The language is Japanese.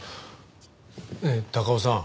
ねえ高尾さん。